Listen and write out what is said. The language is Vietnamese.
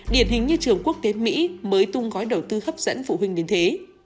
điển hình như trường quốc tế mỹ mới tung gói đầu tư hấp dẫn phụ huynh đến thế